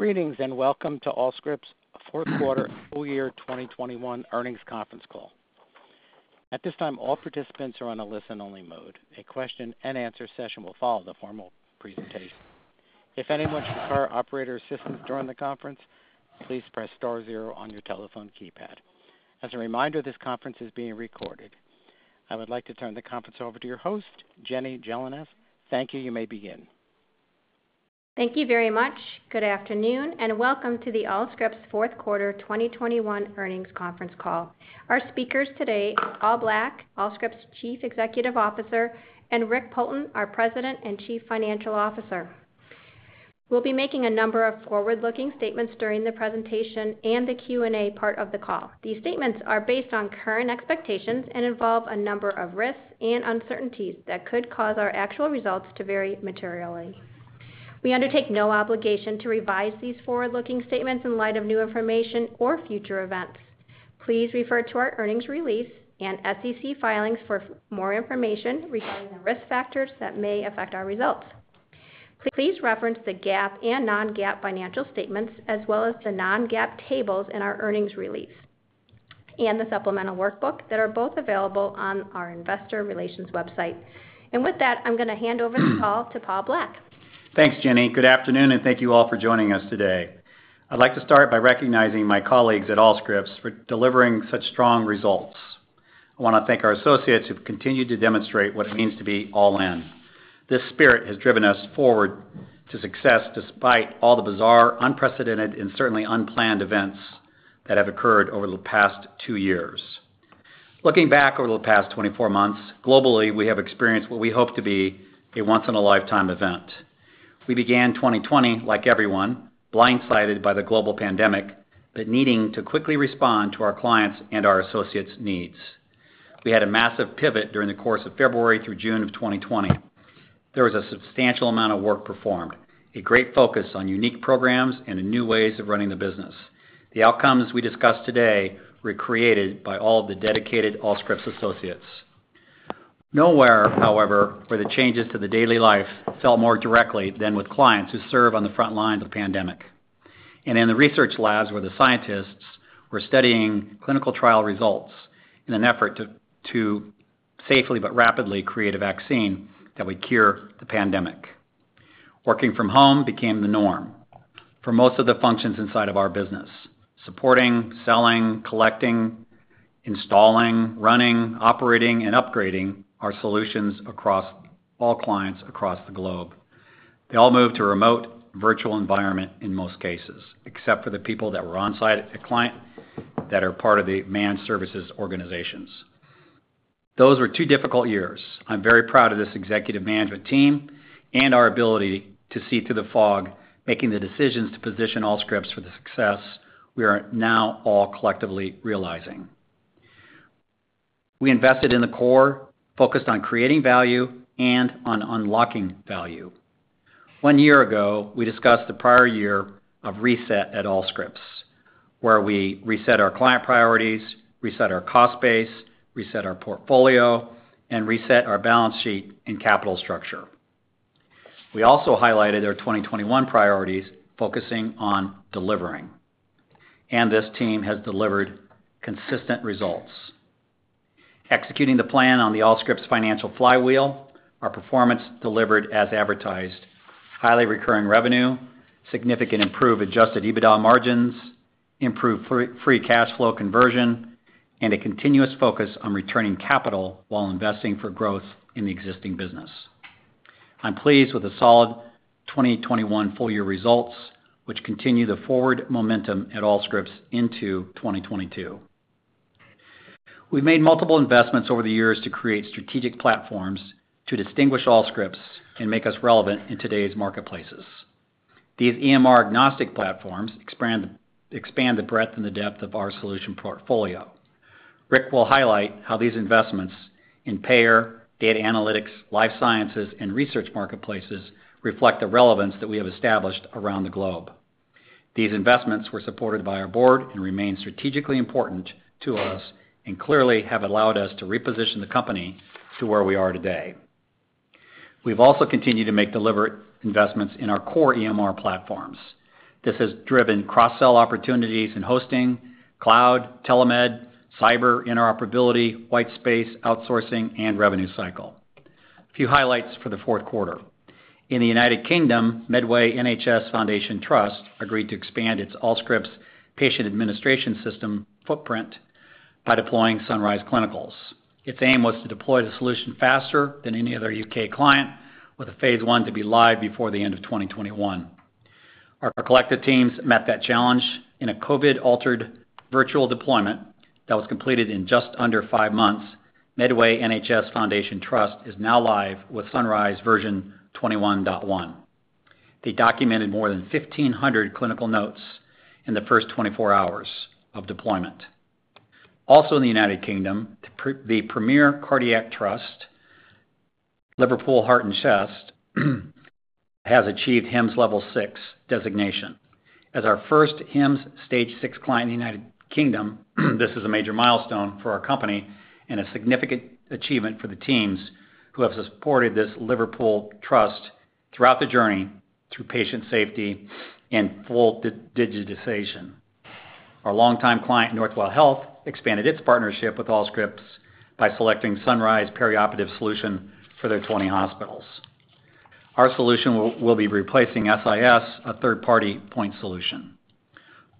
Greetings, and welcome to Allscripts' fourth quarter full year 2021 earnings conference call. At this time, all participants are on a listen-only mode. A question and answer session will follow the formal presentation. If anyone should require operator assistance during the conference, please press star zero on your telephone keypad. As a reminder, this conference is being recorded. I would like to turn the conference over to your host, Jenny Gelinas. Thank you. You may begin. Thank you very much. Good afternoon, and welcome to the Allscripts fourth quarter 2021 earnings conference call. Our speakers today, Paul Black, Allscripts Chief Executive Officer, and Rick Poulton, our President and Chief Financial Officer. We'll be making a number of forward-looking statements during the presentation and the Q&A part of the call. These statements are based on current expectations and involve a number of risks and uncertainties that could cause our actual results to vary materially. We undertake no obligation to revise these forward-looking statements in light of new information or future events. Please refer to our earnings release and SEC filings for more information regarding the risk factors that may affect our results. Please reference the GAAP and non-GAAP financial statements as well as the non-GAAP tables in our earnings release and the supplemental workbook that are both available on our investor relations website. With that, I'm gonna hand over the call to Paul Black. Thanks, Jenny. Good afternoon, and thank you all for joining us today. I'd like to start by recognizing my colleagues at Allscripts for delivering such strong results. I wanna thank our associates who've continued to demonstrate what it means to be all in. This spirit has driven us forward to success despite all the bizarre, unprecedented, and certainly unplanned events that have occurred over the past two years. Looking back over the past 24 months, globally, we have experienced what we hope to be a once in a lifetime event. We began 2020 like everyone, blindsided by the global pandemic, but needing to quickly respond to our clients' and our associates' needs. We had a massive pivot during the course of February through June of 2020. There was a substantial amount of work performed, a great focus on unique programs and the new ways of running the business. The outcomes we discuss today were created by all the dedicated Allscripts associates. Nowhere, however, were the changes to the daily life felt more directly than with clients who serve on the front lines of pandemic and in the research labs where the scientists were studying clinical trial results in an effort to safely but rapidly create a vaccine that would cure the pandemic. Working from home became the norm for most of the functions inside of our business. Supporting, selling, collecting, installing, running, operating, and upgrading our solutions across all clients across the globe. They all moved to remote virtual environment in most cases, except for the people that were on-site at the client that are part of the managed services organizations. Those were two difficult years. I'm very proud of this executive management team and our ability to see through the fog, making the decisions to position Allscripts for the success we are now all collectively realizing. We invested in the core, focused on creating value and on unlocking value. One year ago, we discussed the prior year of reset at Allscripts, where we reset our client priorities, reset our cost base, reset our portfolio, and reset our balance sheet and capital structure. We also highlighted our 2021 priorities focusing on delivering, and this team has delivered consistent results. Executing the plan on the Allscripts financial flywheel, our performance delivered as advertised. Highly recurring revenue, significantly improved adjusted EBITDA margins, improved free cash flow conversion, and a continuous focus on returning capital while investing for growth in the existing business. I'm pleased with the solid 2021 full year results, which continue the forward momentum at Allscripts into 2022. We've made multiple investments over the years to create strategic platforms to distinguish Allscripts and make us relevant in today's marketplaces. These EMR-agnostic platforms expand the breadth and the depth of our solution portfolio. Rick will highlight how these investments in payer, data analytics, life sciences, and research marketplaces reflect the relevance that we have established around the globe. These investments were supported by our board and remain strategically important to us and clearly have allowed us to reposition the company to where we are today. We've also continued to make deliberate investments in our core EMR platforms. This has driven cross-sell opportunities in hosting, cloud, telemed, cyber, interoperability, white space, outsourcing, and revenue cycle. A few highlights for the Q4. In the United Kingdom, Medway NHS Foundation Trust agreed to expand its Allscripts patient administration system footprint by deploying Sunrise Clinicals. Its aim was to deploy the solution faster than any other U.K. client with a phase 1 to be live before the end of 2021. Our collective teams met that challenge in a COVID-altered virtual deployment that was completed in just under five months. Medway NHS Foundation Trust is now live with Sunrise version 21.1. They documented more than 1,500 clinical notes in the first 24 hours of deployment. Also in the United Kingdom, the premier cardiac trust, Liverpool Heart and Chest has achieved HIMSS level six designation. As our first HIMSS stage six client in the United Kingdom, this is a major milestone for our company and a significant achievement for the teams who have supported this Liverpool trust throughout the journey through patient safety and full digitization. Our longtime client, Northwell Health, expanded its partnership with Allscripts by selecting Sunrise Surgical Care for their 20 hospitals. Our solution will be replacing SIS, a third-party point solution.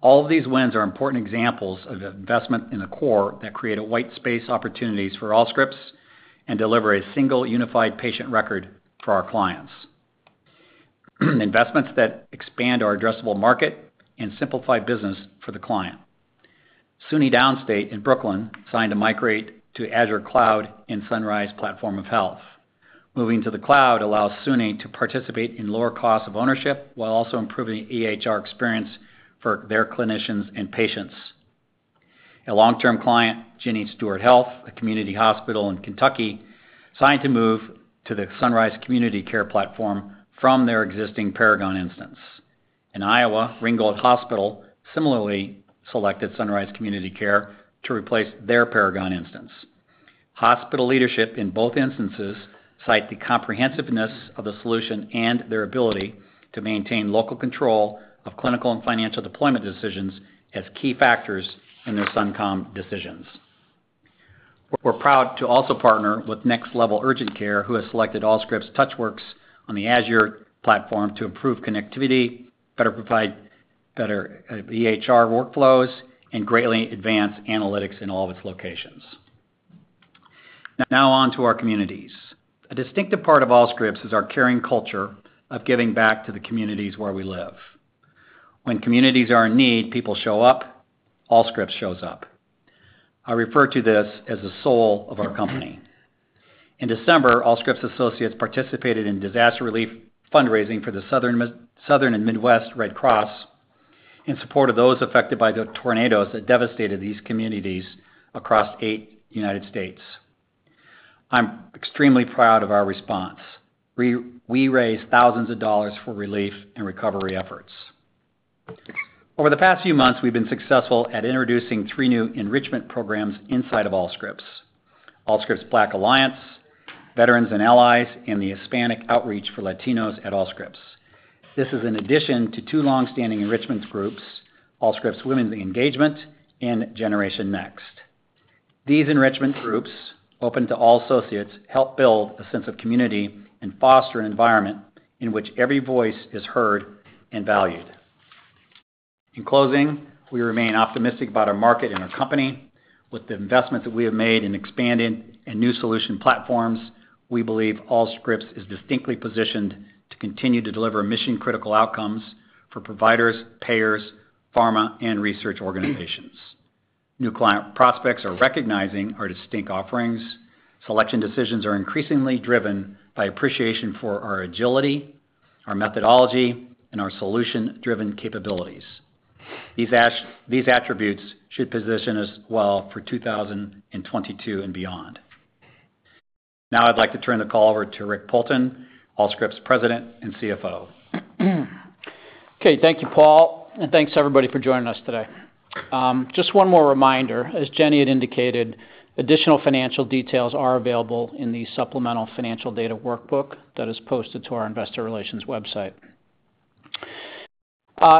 All of these wins are important examples of investment in the core that create a white space opportunities for Allscripts and deliver a single unified patient record for our clients. Investments that expand our addressable market and simplify business for the client. SUNY Downstate in Brooklyn signed to migrate to Azure Cloud and Sunrise Platform of Health. Moving to the cloud allows SUNY to participate in lower cost of ownership while also improving EHR experience for their clinicians and patients. A long-term client, Jennie Stuart Health, a community hospital in Kentucky, signed to move to the Sunrise Community Care platform from their existing Paragon instance. In Iowa, Ringgold County Hospital similarly selected Sunrise Community Care to replace their Paragon instance. Hospital leadership in both instances cite the comprehensiveness of the solution and their ability to maintain local control of clinical and financial deployment decisions as key factors in their Sunrise decisions. We're proud to also partner with Next Level Urgent Care, who has selected Allscripts TouchWorks on the Azure platform to improve connectivity, better provide better EHR workflows, and greatly advance analytics in all of its locations. Now on to our communities. A distinctive part of Allscripts is our caring culture of giving back to the communities where we live. When communities are in need, people show up, Allscripts shows up. I refer to this as the soul of our company. In December, Allscripts associates participated in disaster relief fundraising for the Southern and Midwest Red Cross in support of those affected by the tornadoes that devastated these communities across eight states in the United States. I'm extremely proud of our response. We raised thousands of dollars for relief and recovery efforts. Over the past few months, we've been successful at introducing three new enrichment programs inside of Allscripts. Allscripts Black Alliance, Veterans and Allies, and the Hispanic Outreach for Latinos at Allscripts. This is an addition to two long-standing enrichment groups, Allscripts Women's Engagement and Generation Next. These enrichment groups, open to all associates, help build a sense of community and foster an environment in which every voice is heard and valued. In closing, we remain optimistic about our market and our company. With the investment that we have made in expanded and new solution platforms, we believe Allscripts is distinctly positioned to continue to deliver mission-critical outcomes for providers, payers, pharma, and research organizations. New client prospects are recognizing our distinct offerings. Selection decisions are increasingly driven by appreciation for our agility, our methodology, and our solution-driven capabilities. These attributes should position us well for 2022 and beyond. Now I'd like to turn the call over to Rick Poulton, Allscripts President and CFO. Okay. Thank you, Paul. Thanks, everybody, for joining us today. Just one more reminder. As Jenny had indicated, additional financial details are available in the supplemental financial data workbook that is posted to our investor relations website.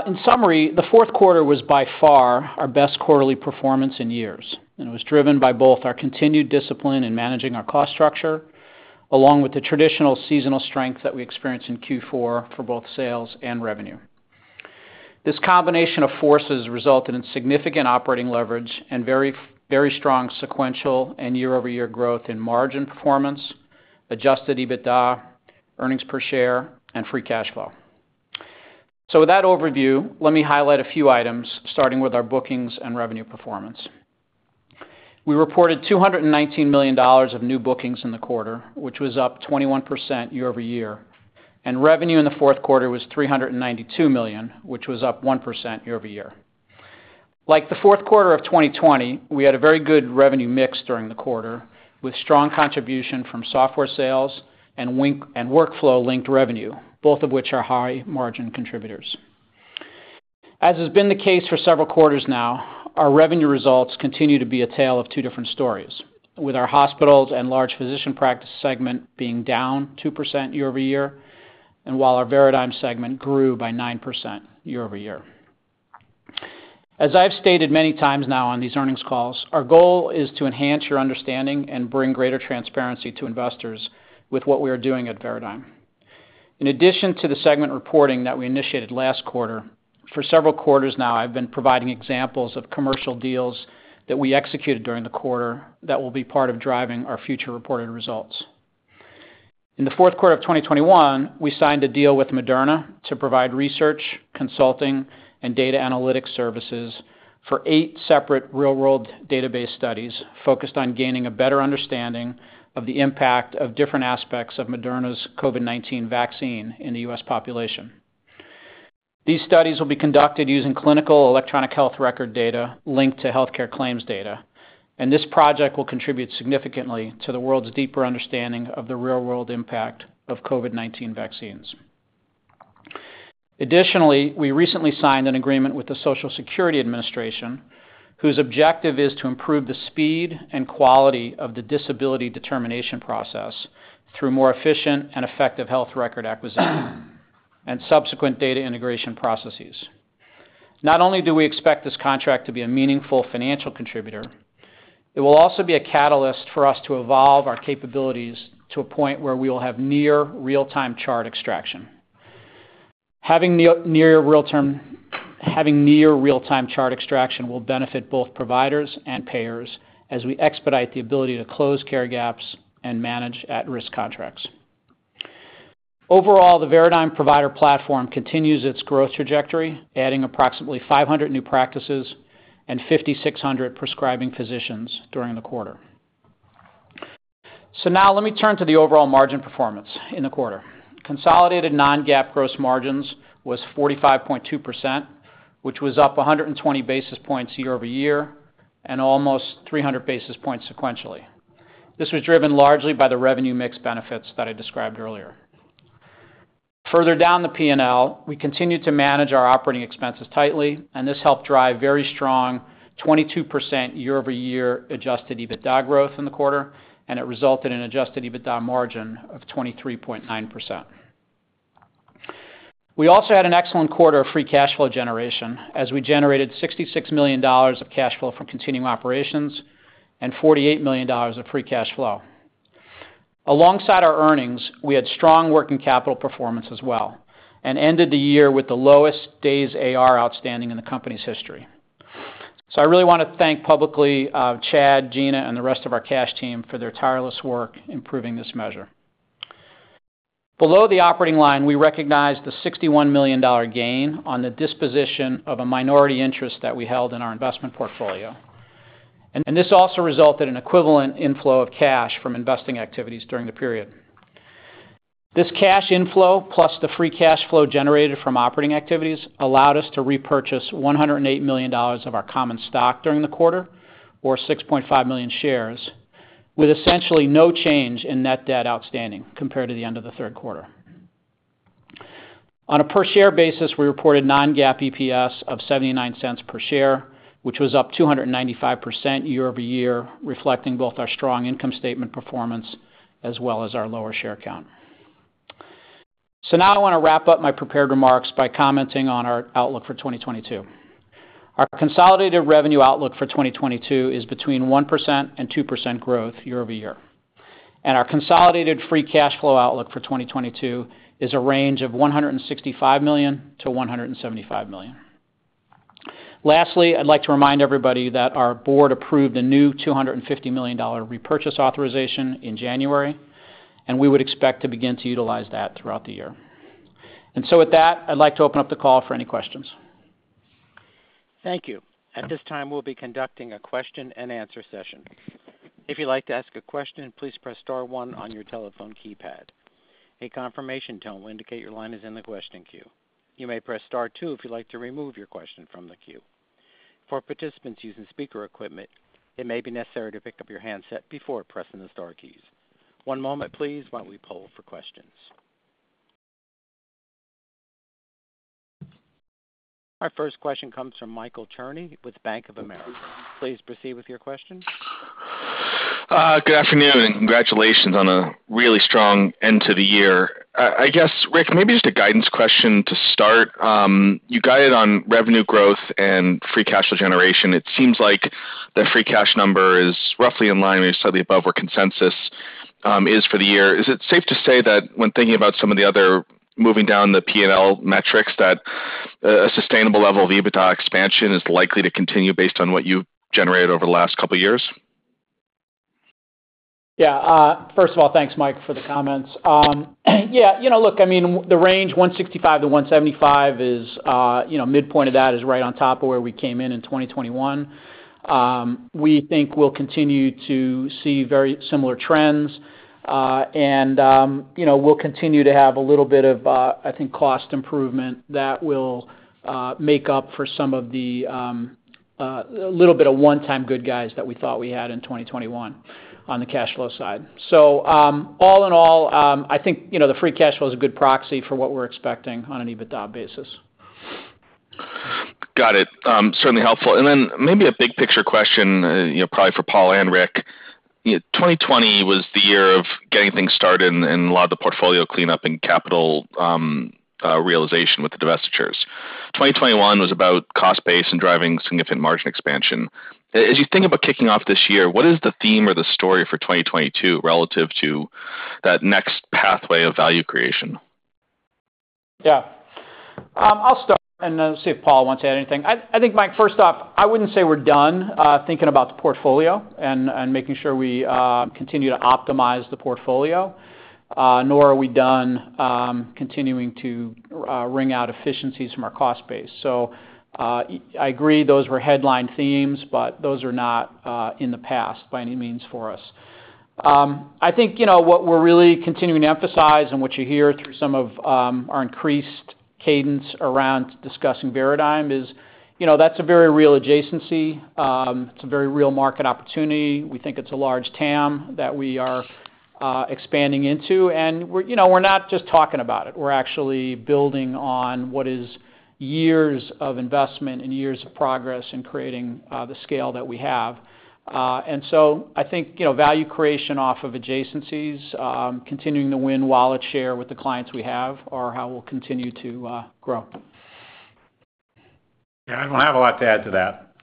In summary, Q4 was by far our best quarterly performance in years, and it was driven by both our continued discipline in managing our cost structure, along with the traditional seasonal strength that we experience in Q4 for both sales and revenue. This combination of forces resulted in significant operating leverage and very, very strong sequential and year-over-year growth in margin performance, adjusted EBITDA, earnings per share, and free cash flow. With that overview, let me highlight a few items, starting with our bookings and revenue performance. We reported $219 million of new bookings in the quarter, which was up 21% year-over-year. Revenue in the Q4 was $392 million, which was up 1% year-over-year. Like the fourth quarter of 2020, we had a very good revenue mix during the quarter, with strong contribution from software sales and linked- and workflow-linked revenue, both of which are high-margin contributors. As has been the case for several quarters now, our revenue results continue to be a tale of two different stories, with our hospitals and large physician practice segment being down 2% year-over-year, and while our Veradigm segment grew by 9% year-over-year. As I've stated many times now on these earnings calls, our goal is to enhance your understanding and bring greater transparency to investors with what we are doing at Veradigm. In addition to the segment reporting that we initiated last quarter, for several quarters now, I've been providing examples of commercial deals that we executed during the quarter that will be part of driving our future reported results. In the fourth quarter of 2021, we signed a deal with Moderna to provide research, consulting, and data analytics services for eight separate real-world database studies focused on gaining a better understanding of the impact of different aspects of Moderna's COVID-19 vaccine in the U.S. population. These studies will be conducted using clinical electronic health record data linked to healthcare claims data, and this project will contribute significantly to the world's deeper understanding of the real-world impact of COVID-19 vaccines. Additionally, we recently signed an agreement with the Social Security Administration, whose objective is to improve the speed and quality of the disability determination process through more efficient and effective health record acquisition and subsequent data integration processes. Not only do we expect this contract to be a meaningful financial contributor, it will also be a catalyst for us to evolve our capabilities to a point where we will have near real-time chart extraction. Having near real-time chart extraction will benefit both providers and payers as we expedite the ability to close care gaps and manage at-risk contracts. Overall, the Veradigm provider platform continues its growth trajectory, adding approximately 500 new practices and 5,600 prescribing physicians during the quarter. Now let me turn to the overall margin performance in the quarter. Consolidated non-GAAP gross margins was 45.2%, which was up 120 basis points year-over-year and almost 300 basis points sequentially. This was driven largely by the revenue mix benefits that I described earlier. Further down the P&L, we continued to manage our operating expenses tightly, and this helped drive very strong 22% year-over-year adjusted EBITDA growth in the quarter, and it resulted in adjusted EBITDA margin of 23.9%. We also had an excellent quarter of free cash flow generation as we generated $66 million of cash flow from continuing operations and $48 million of free cash flow. Alongside our earnings, we had strong working capital performance as well and ended the year with the lowest days AR outstanding in the company's history. I really wanna thank publicly, Chad, Gina, and the rest of our cash team for their tireless work improving this measure. Below the operating line, we recognized the $61 million gain on the disposition of a minority interest that we held in our investment portfolio. This also resulted in equivalent inflow of cash from investing activities during the period. This cash inflow, plus the free cash flow generated from operating activities, allowed us to repurchase $108 million of our common stock during the quarter, or 6.5 million shares, with essentially no change in net debt outstanding compared to the end of the third quarter. On a per-share basis, we reported non-GAAP EPS of $0.79 per share, which was up 295% year-over-year, reflecting both our strong income statement performance as well as our lower share count. Now I wanna wrap up my prepared remarks by commenting on our outlook for 2022. Our consolidated revenue outlook for 2022 is between 1% and 2% growth year-over-year. Our consolidated free cash flow outlook for 2022 is a range of $165 million-$175 million. Lastly, I'd like to remind everybody that our board approved a new $250 million repurchase authorization in January, and we would expect to begin to utilize that throughout the year. With that, I'd like to open up the call for any questions. Thank you. At this time, we'll be conducting a question and answer session. If you'd like to ask a question, please press star one on your telephone keypad. A confirmation tone will indicate your line is in the question queue. You may press star two if you'd like to remove your question from the queue. For participants using speaker equipment, it may be necessary to pick up your handset before pressing the star keys. One moment please while we poll for questions. Our first question comes from Michael Cherny with Bank of America. Please proceed with your question. Good afternoon, and congratulations on a really strong end to the year. I guess, Rick, maybe just a guidance question to start. You guided on revenue growth and free cash flow generation. It seems like the free cash number is roughly in line or maybe slightly above where consensus is for the year. Is it safe to say that when thinking about some of the other moving down the P&L metrics that a sustainable level of EBITDA expansion is likely to continue based on what you've generated over the last couple years? Yeah. First of all, thanks, Mike, for the comments. Yeah, you know, look, I mean, the range $165 million-$175 million is, you know, midpoint of that is right on top of where we came in in 2021. We think we'll continue to see very similar trends, and, you know, we'll continue to have a little bit of, I think cost improvement that will, make up for some of the, little bit of one-time goodies that we thought we had in 2021 on the cash flow side. All in all, I think, you know, the free cash flow is a good proxy for what we're expecting on an EBITDA basis. Got it. Certainly helpful. Maybe a big picture question, you know, probably for Paul and Rick. 2020 was the year of getting things started and a lot of the portfolio cleanup and capital realization with the divestitures. 2021 was about cost base and driving significant margin expansion. As you think about kicking off this year, what is the theme or the story for 2022 relative to that next pathway of value creation? Yeah. I'll start and then see if Paul wants to add anything. I think, Mike, first off, I wouldn't say we're done thinking about the portfolio and making sure we continue to optimize the portfolio, nor are we done continuing to wring out efficiencies from our cost base. I agree those were headline themes, but those are not in the past by any means for us. I think, you know, what we're really continuing to emphasize and what you hear through some of our increased cadence around discussing Veradigm is, you know, that's a very real adjacency. It's a very real market opportunity. We think it's a large TAM that we are expanding into, and we're, you know, we're not just talking about it. We're actually building on what is years of investment and years of progress in creating the scale that we have. I think, you know, value creation off of adjacencies, continuing to win wallet share with the clients we have are how we'll continue to grow. Yeah, I don't have a lot to add to that.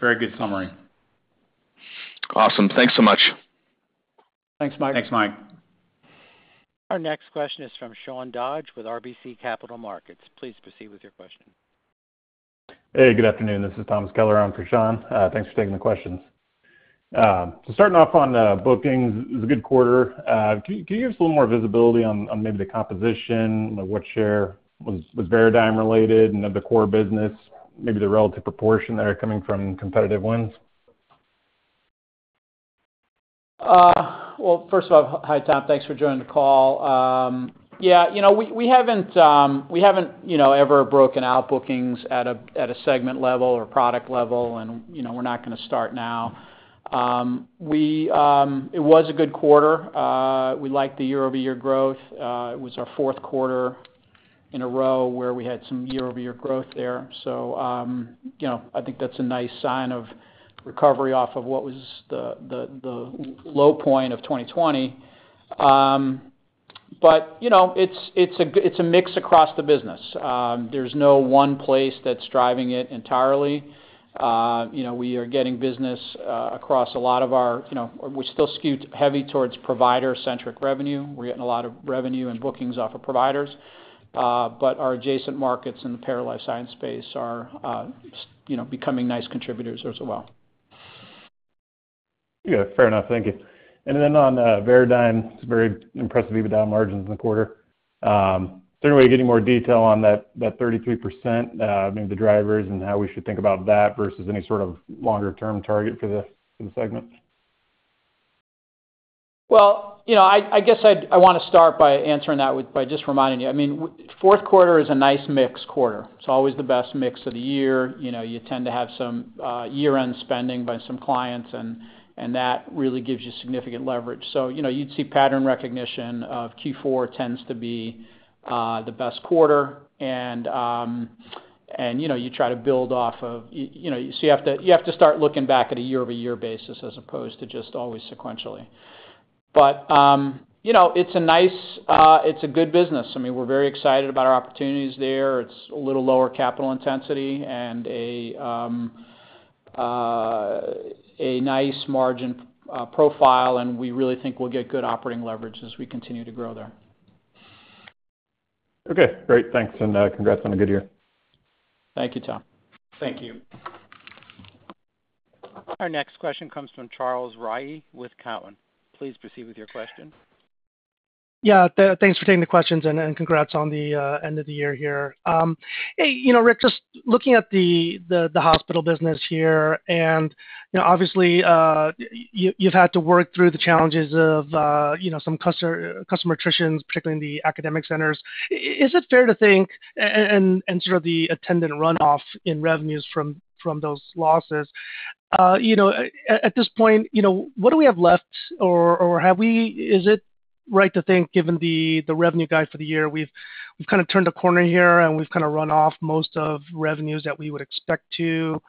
Very good summary. Awesome. Thanks so much. Thanks, Mike. Our next question is from Sean Dodge with RBC Capital Markets. Please proceed with your question. Hey, good afternoon. This is Tom Keller on for Sean. Thanks for taking the questions. Starting off on bookings, it was a good quarter. Can you give us a little more visibility on maybe the composition, like what share was Veradigm related and of the core business, maybe the relative proportion there coming from competitive wins? Well, first of all, hi, Tom. Thanks for joining the call. Yeah, you know, we haven't, you know, ever broken out bookings at a segment level or product level and, you know, we're not gonna start now. It was a good quarter. We liked the year-over-year growth. It was our fourth quarter in a row where we had some year-over-year growth there. You know, I think that's a nice sign of recovery off of what was the low point of 2020. It's a mix across the business. There's no one place that's driving it entirely. You know, we are getting business across a lot of our, you know. We're still skewed heavy towards provider-centric revenue. We're getting a lot of revenue and bookings off of providers. Our adjacent markets in the payer and life science space are, you know, becoming nice contributors as well. Yeah, fair enough. Thank you. On Veradigm, it's very impressive EBITDA margins in the quarter. Is there any way of getting more detail on that 33%, maybe the drivers and how we should think about that versus any sort of longer term target for the segment? You know, I guess I'd wanna start by answering that with just reminding you. I mean, fourth quarter is a nice mix quarter. It's always the best mix of the year. You know, you tend to have some year-end spending by some clients and that really gives you significant leverage. You know, you'd see pattern recognition of Q4 tends to be the best quarter. You know, you try to build off of. You know, you have to start looking back at a year-over-year basis as opposed to just always sequentially. You know, it's a nice, it's a good business. I mean, we're very excited about our opportunities there. It's a little lower capital intensity and a nice margin profile, and we really think we'll get good operating leverage as we continue to grow there. Okay, great. Thanks, and congrats on a good year. Thank you, Tom. Thank you. Our next question comes from Charles Rhyee with Cowen. Please proceed with your question. Yeah, thanks for taking the questions and congrats on the end of the year here. Hey, you know, Rick, just looking at the hospital business here, you know, obviously, you’ve had to work through the challenges of, you know, some customer attritions, particularly in the academic centers. Is it fair to think, and sort of the attendant runoff in revenues from those losses, you know, at this point, you know, what do we have left or have we Is it right to think, given the revenue guide for the year, we've kinda turned a corner here, and we've kinda run off most of revenues that we would expect to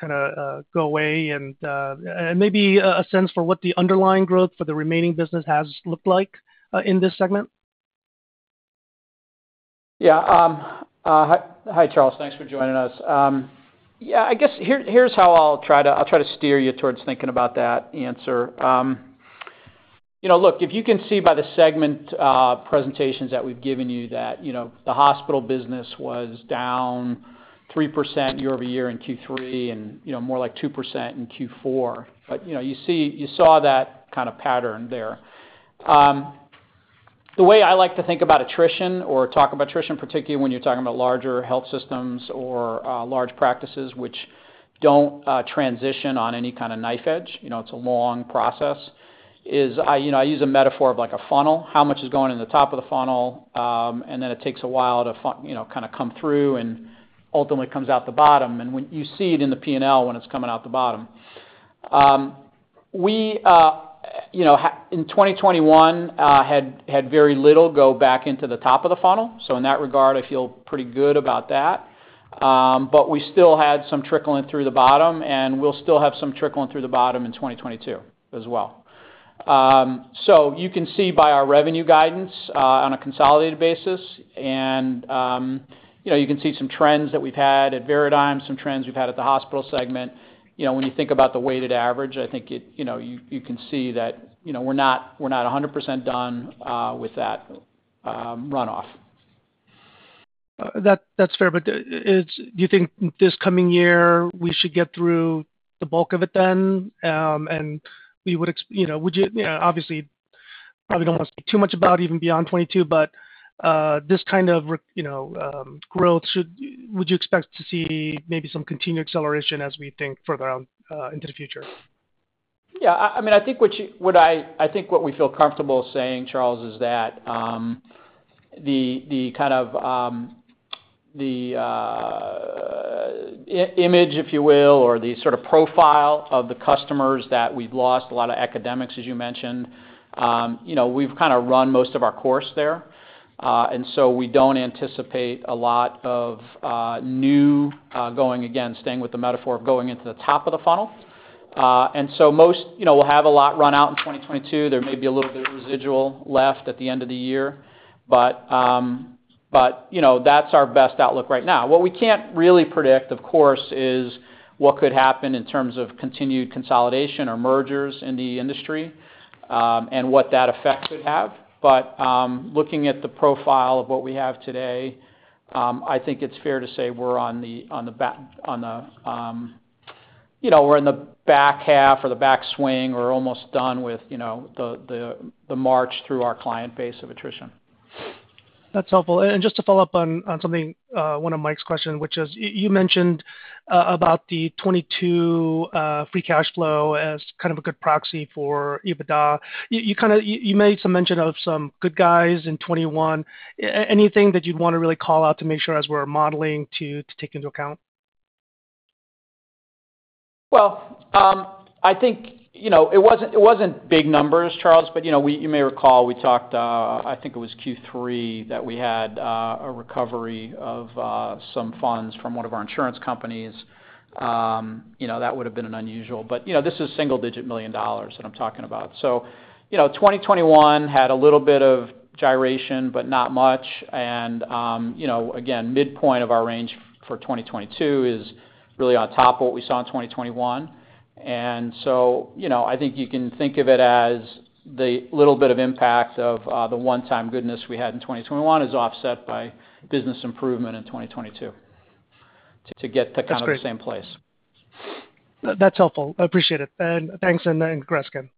kinda go away and maybe a sense for what the underlying growth for the remaining business has looked like in this segment? Hi, Charles. Thanks for joining us. I guess here's how I'll try to steer you towards thinking about that answer. If you can see by the segment presentations that we've given you that the hospital business was down 3% year-over-year in Q3 and more like 2% in Q4. You saw that kinda pattern there. The way I like to think about attrition or talk about attrition, particularly when you're talking about larger health systems or large practices which don't transition on any kinda knife edge, it's a long process, is I... You know, I use a metaphor of like a funnel, how much is going in the top of the funnel, and then it takes a while to, you know, kinda come through and ultimately comes out the bottom. You see it in the P&L when it's coming out the bottom. We you know had in 2021 very little go back into the top of the funnel, so in that regard, I feel pretty good about that. We still had some trickling through the bottom, and we'll still have some trickling through the bottom in 2022 as well. You can see by our revenue guidance on a consolidated basis, and you know, you can see some trends that we've had at Veradigm, some trends we've had at the hospital segment. You know, when you think about the weighted average, you know, you can see that, you know, we're not 100% done with that runoff. That's fair. Do you think this coming year we should get through the bulk of it then, and we would, you know, obviously probably don't wanna speak too much about even beyond 2022, but this kind of, you know, growth should. Would you expect to see maybe some continued acceleration as we think further out into the future? Yeah. I mean, I think what we feel comfortable saying, Charles, is that the kind of image, if you will, or the sort of profile of the customers that we've lost, a lot of academics, as you mentioned, you know, we've kinda run most of our course there. We don't anticipate a lot of new going, again, staying with the metaphor, going into the top of the funnel. Most, you know, we'll have a lot run out in 2022. There may be a little bit of residual left at the end of the year. You know, that's our best outlook right now. What we can't really predict, of course, is what could happen in terms of continued consolidation or mergers in the industry, and what that effect could have. Looking at the profile of what we have today, I think it's fair to say we're in the back half or the back swing. We're almost done with, you know, the March through our client base of attrition. That's helpful. Just to follow up on something, one of Mike's question, which is you mentioned about the 2022 free cash flow as kind of a good proxy for EBITDA. You made some mention of some good guys in 2021. Anything that you'd wanna really call out to make sure as we're modeling to take into account? Well, I think, you know, it wasn't big numbers, Charles, but you know, you may recall, we talked, I think it was Q3, that we had a recovery of some funds from one of our insurance companies. You know, that would've been an unusual. You know, this is single-digit million dollars that I'm talking about. 2021 had a little bit of gyration, but not much. You know, again, midpoint of our range for 2022 is really on top of what we saw in 2021. You know, I think you can think of it as the little bit of impact of the one-time goodness we had in 2021 is offset by business improvement in 2022 to get to. That's great. kind of the same place. That's helpful. I appreciate it. Thanks, and then Greskin.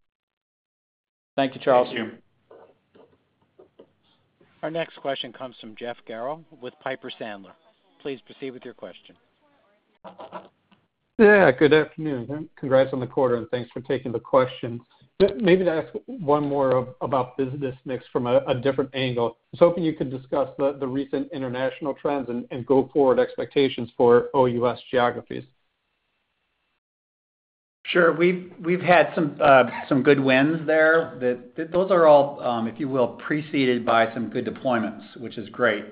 Thank you, Charles. Thank you. Our next question comes from Jeff Garro with Piper Sandler. Please proceed with your question. Yeah, good afternoon. Congrats on the quarter, and thanks for taking the questions. Just maybe to ask one more about business mix from a different angle. I was hoping you could discuss the recent international trends and go-forward expectations for OUS geographies. Sure. We've had some good wins there that. Those are all, if you will, preceded by some good deployments, which is great.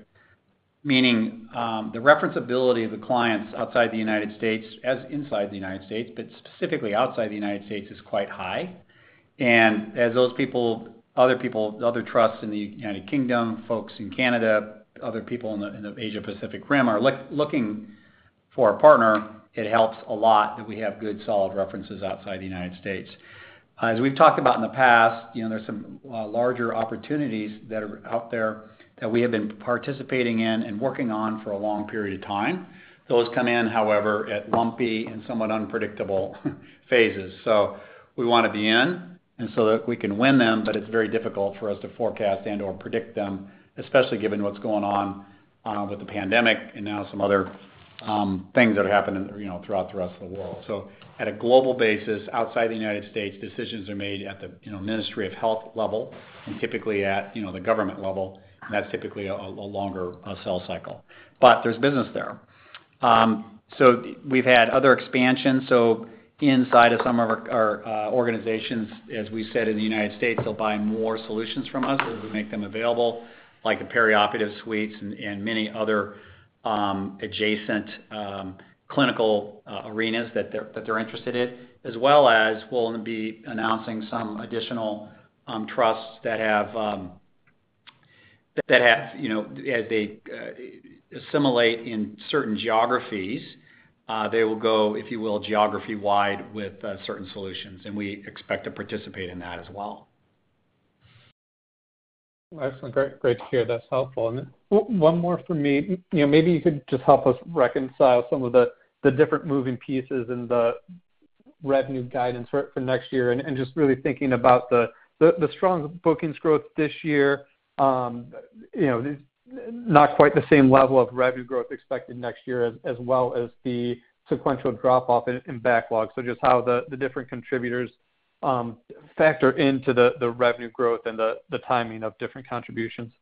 Meaning, the referenceability of the clients outside the United States, and inside the United States, but specifically outside the United States, is quite high. As those people, other people, other trusts in the United Kingdom, folks in Canada, other people in the Asia Pacific Rim are looking for a partner, it helps a lot that we have good, solid references outside the United States. As we've talked about in the past, you know, there's some larger opportunities that are out there that we have been participating in and working on for a long period of time. Those come in, however, at lumpy and somewhat unpredictable phases. We wanna be in, and so that we can win them, but it's very difficult for us to forecast and/or predict them, especially given what's going on with the pandemic and now some other things that are happening, you know, throughout the rest of the world. At a global basis, outside the United States, decisions are made at the, you know, ministry of health level and typically at, you know, the government level, and that's typically a longer sales cycle. There's business there. We've had other expansions. Inside of some of our organizations, as we said in the United States, they'll buy more solutions from us as we make them available, like the perioperative suites and many other adjacent clinical arenas that they're interested in. As well as we'll be announcing some additional trusts that have, you know, as they assimilate in certain geographies, they will go, if you will, geography-wide with certain solutions, and we expect to participate in that as well. Excellent. Great to hear. That's helpful. One more from me. You know, maybe you could just help us reconcile some of the different moving pieces and the revenue guidance for next year, and just really thinking about the strong bookings growth this year. You know, not quite the same level of revenue growth expected next year as well as the sequential drop-off in backlog. Just how the different contributors factor into the revenue growth and the timing of different contributions.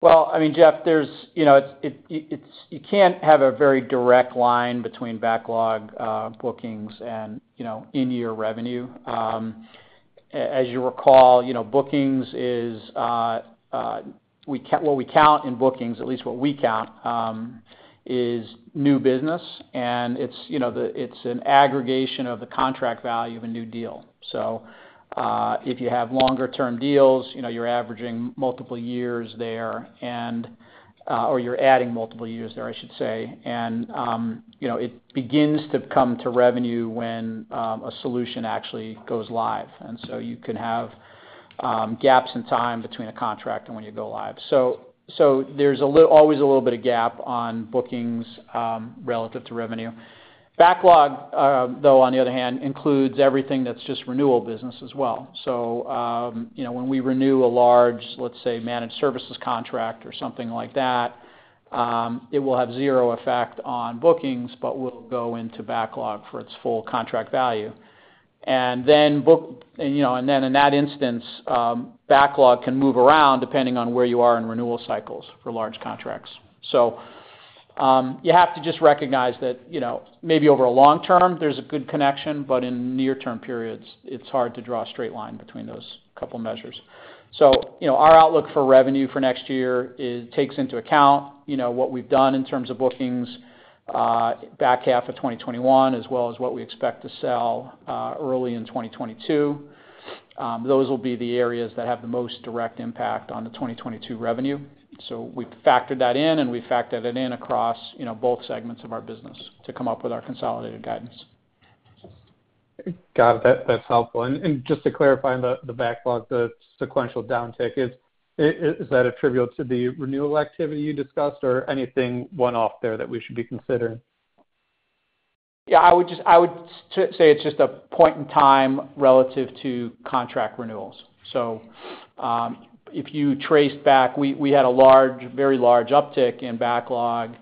Well, I mean, Jeff, you can't have a very direct line between backlog, bookings and, you know, in-year revenue. As you recall, you know, bookings is what we count in bookings, at least what we count, is new business, and it's, you know, it's an aggregation of the contract value of a new deal. If you have longer-term deals, you know, you're averaging multiple years there, or you're adding multiple years there, I should say. You know, it begins to come to revenue when a solution actually goes live. You can have gaps in time between a contract and when you go live. So there's always a little bit of gap on bookings relative to revenue. Backlog, though, on the other hand, includes everything that's just renewal business as well. You know, when we renew a large, let's say, managed services contract or something like that, it will have zero effect on bookings, but will go into backlog for its full contract value. You know, in that instance, backlog can move around depending on where you are in renewal cycles for large contracts. You have to just recognize that, you know, maybe over a long term, there's a good connection, but in near-term periods, it's hard to draw a straight line between those couple measures. You know, our outlook for revenue for next year takes into account, you know, what we've done in terms of bookings, back half of 2021, as well as what we expect to sell, early in 2022. Those will be the areas that have the most direct impact on the 2022 revenue. We factored that in, and we factored it in across, you know, both segments of our business to come up with our consolidated guidance. Got it. That's helpful. Just to clarify on the backlog, the sequential downtick is that attributable to the renewal activity you discussed or anything one-off there that we should be considering? Yeah, I would say it's just a point in time relative to contract renewals. If you trace back, we had a large, very large uptick in backlog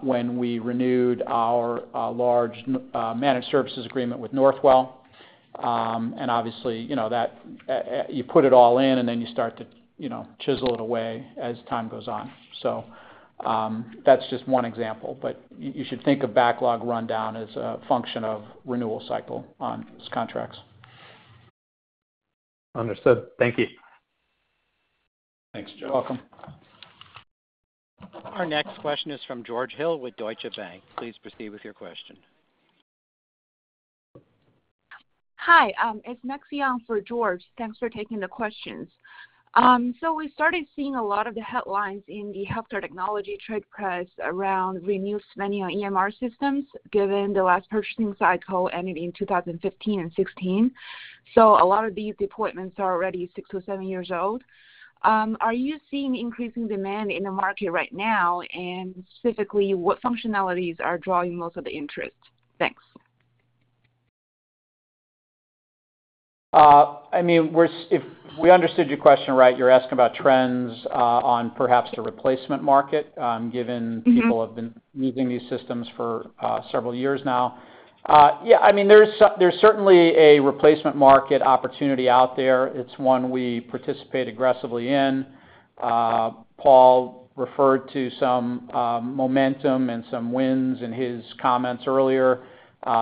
when we renewed our large managed services agreement with Northwell. Obviously, you know, you put it all in, and then you start to, you know, chisel it away as time goes on. That's just one example, but you should think of backlog rundown as a function of renewal cycle on those contracts. Understood. Thank you. Thanks, Joe. You're welcome. Our next question is from George Hill with Deutsche Bank. Please proceed with your question. Hi, it's Maxine Cordero for George. Thanks for taking the questions. We started seeing a lot of the headlines in the health technology trade press around renewed spending on EMR systems, given the last purchasing cycle ended in 2015 and 2016. A lot of these deployments are already six or seven years old. Are you seeing increasing demand in the market right now? And specifically, what functionalities are drawing most of the interest? Thanks. I mean, if we understood your question right, you're asking about trends on perhaps the replacement market, given people have been using these systems for several years now. Yeah, I mean, there's certainly a replacement market opportunity out there. It's one we participate aggressively in. Paul referred to some momentum and some wins in his comments earlier.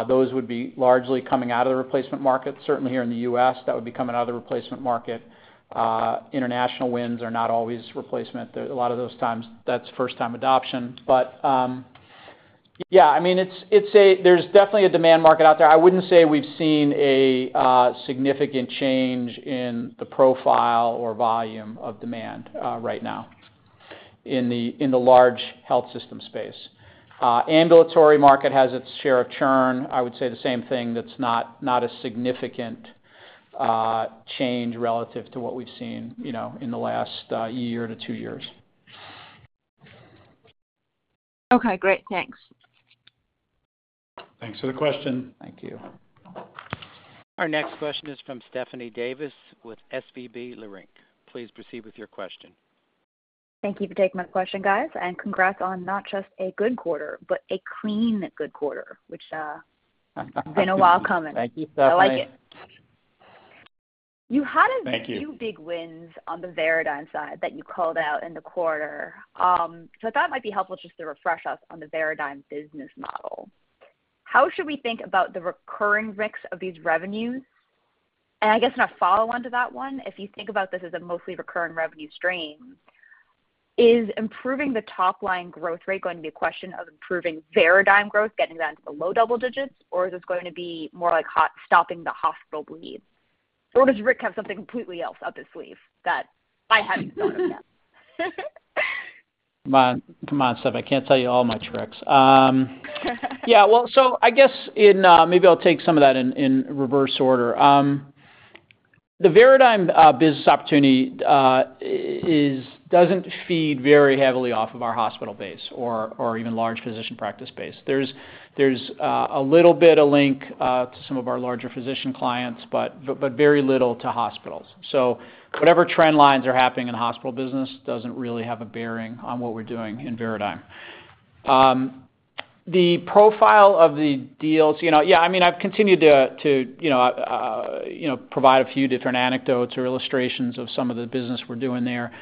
Those would be largely coming out of the replacement market. Certainly here in the U.S., that would be coming out of the replacement market. International wins are not always replacement. A lot of those times, that's first time adoption. Yeah, I mean, there's definitely a demand market out there. I wouldn't say we've seen a significant change in the profile or volume of demand right now in the large health system space. Ambulatory market has its share of churn. I would say the same thing, that's not a significant change relative to what we've seen, you know, in the last year to two years. Okay, great. Thanks for the question. Thank you. Our next question is from Stephanie Davis with SVB Securities. Please proceed with your question. Thank you for taking my question, guys. Congrats on not just a good quarter, but a clean good quarter, which has been a while coming. Thank you, Stephanie. I like it. Thank you. You had a few big wins on the Veradigm side that you called out in the quarter. I thought it might be helpful just to refresh us on the Veradigm business model. How should we think about the recurring risks of these revenues? I guess in a follow-on to that one, if you think about this as a mostly recurring revenue stream, is improving the top-line growth rate going to be a question of improving Veradigm growth, getting that into the low double digits, or is this going to be more like stopping the hospital bleeds? Does Rick have something completely else up his sleeve that I haven't thought of yet? Come on, Steph. I can't tell you all my tricks. Yeah. Well, I guess maybe I'll take some of that in reverse order. The Veradigm business opportunity doesn't feed very heavily off of our hospital base or even large physician practice base. There's a little bit of link to some of our larger physician clients, but very little to hospitals. So whatever trend lines are happening in the hospital business doesn't really have a bearing on what we're doing in Veradigm. The profile of the deals, you know. Yeah, I mean, I've continued to, you know, provide a few different anecdotes or illustrations of some of the business we're doing there.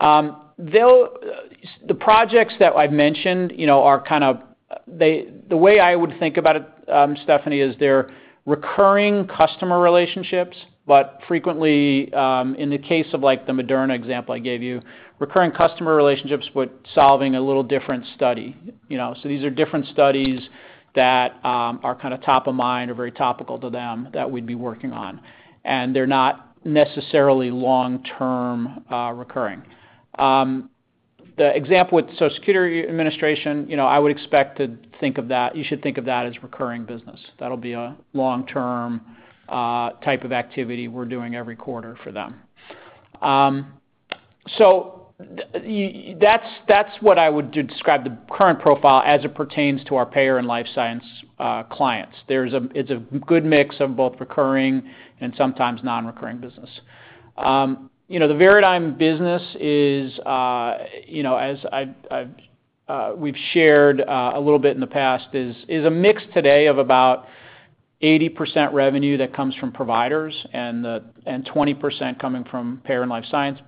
The projects that I've mentioned, you know, are kind of they. The way I would think about it, Stephanie, is they're recurring customer relationships, but frequently, in the case of, like, the Moderna example I gave you, recurring customer relationships with solving a little different study. You know, so these are different studies that are kinda top of mind or very topical to them that we'd be working on, and they're not necessarily long-term, recurring. The example with Social Security Administration, you know, I would expect to think of that. You should think of that as recurring business. That'll be a long-term, type of activity we're doing every quarter for them. So that's what I would describe the current profile as it pertains to our payer and life science clients. It's a good mix of both recurring and sometimes non-recurring business. You know, the Veradigm business is, you know, as we've shared a little bit in the past, a mix today of about 80% revenue that comes from providers and 20% coming from payer and life science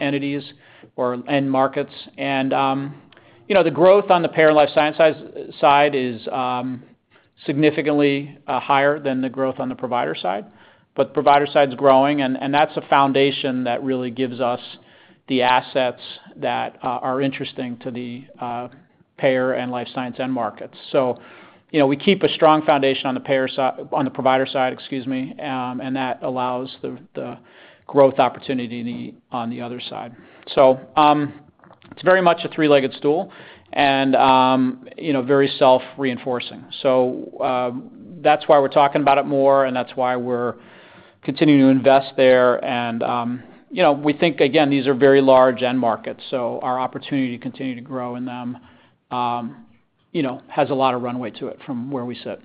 entities or end markets. You know, the growth on the payer and life science side is significantly higher than the growth on the provider side. The provider side is growing, and that's a foundation that really gives us the assets that are interesting to the payer and life science end markets. You know, we keep a strong foundation on the provider side, excuse me, and that allows the growth opportunity on the other side. It's very much a three-legged stool and, you know, very self-reinforcing. That's why we're talking about it more, and that's why we're continuing to invest there. You know, we think, again, these are very large end markets, so our opportunity to continue to grow in them, you know, has a lot of runway to it from where we sit.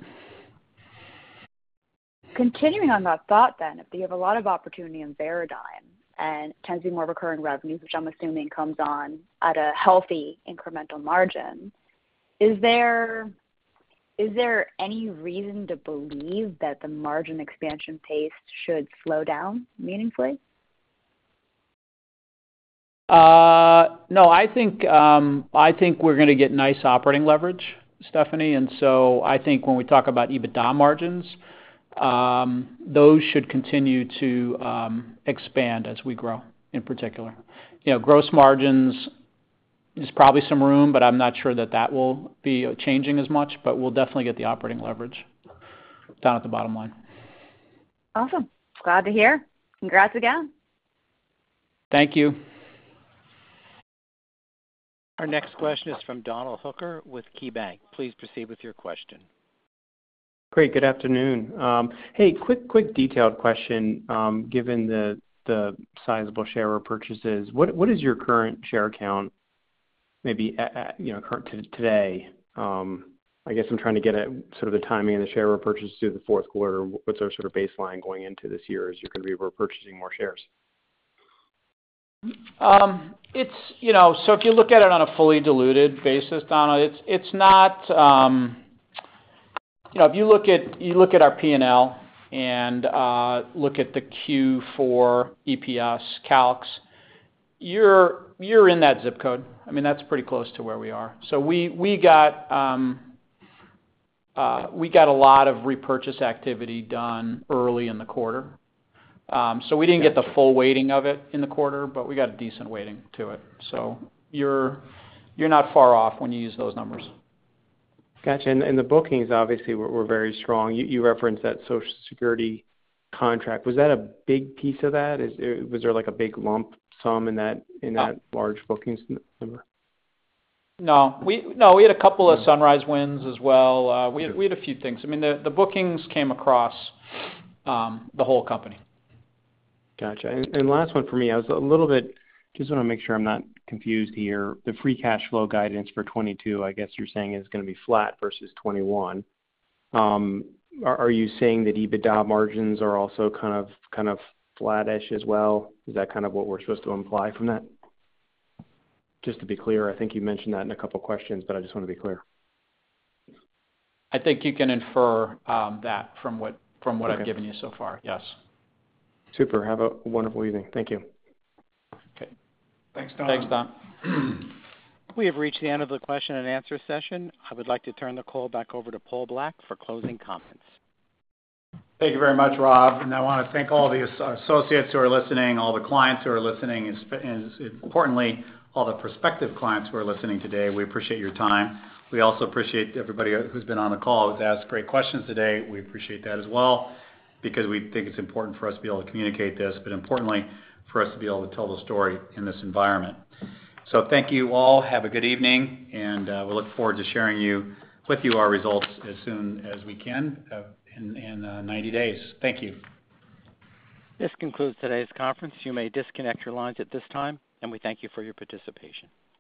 Continuing on that thought then, if you have a lot of opportunity in Veradigm and it tends to be more recurring revenues, which I'm assuming comes on at a healthy incremental margin, is there any reason to believe that the margin expansion pace should slow down meaningfully? No. I think we're gonna get nice operating leverage, Stephanie. I think when we talk about EBITDA margins, those should continue to expand as we grow in particular. You know, gross margins, there's probably some room, but I'm not sure that will be changing as much, but we'll definitely get the operating leverage down at the bottom line. Awesome. Glad to hear. Congrats again. Thank you. Our next question is from Donald Hooker with KeyBanc. Please proceed with your question. Great. Good afternoon. Hey, quick detailed question. Given the sizable share repurchases, what is your current share count maybe at current to today? I guess I'm trying to get at sort of the timing of the share repurchase through the fourth quarter. What's our sort of baseline going into this year as you continue repurchasing more shares? It's, you know, if you look at it on a fully diluted basis, Donald, it's not. You know, if you look at our P&L and look at the Q4 EPS calcs, you're in that zip code. I mean, that's pretty close to where we are. We got a lot of repurchase activity done early in the quarter. We didn't get the full weighting of it in the quarter, but we got a decent weighting to it. You're not far off when you use those numbers. Gotcha. The bookings obviously were very strong. You referenced that Social Security contract. Was that a big piece of that? Was there like a big lump sum in that large bookings number? No, we had a couple of Sunrise wins as well. We had a few things. I mean, the bookings came across the whole company. Gotcha. Last one for me. I was a little bit just wanna make sure I'm not confused here. The free cash flow guidance for 2022, I guess you're saying is gonna be flat versus 2021. Are you saying that EBITDA margins are also kind of flattish as well? Is that kind of what we're supposed to imply from that? Just to be clear, I think you mentioned that in a couple of questions, but I just wanna be clear. I think you can infer that from what I've given you so far, yes. Super. Have a wonderful evening. Thank you. Okay. Thanks, Don. Thanks, Don. We have reached the end of the question and answer session. I would like to turn the call back over to Paul Black for closing comments. Thank you very much, Rob. I wanna thank all the associates who are listening, all the clients who are listening, and importantly, all the prospective clients who are listening today. We appreciate your time. We also appreciate everybody who's been on the call who's asked great questions today. We appreciate that as well because we think it's important for us to be able to communicate this, but importantly for us to be able to tell the story in this environment. Thank you all. Have a good evening, and we look forward to sharing with you our results as soon as we can, in 90 days. Thank you. This concludes today's conference. You may disconnect your lines at this time, and we thank you for your participation.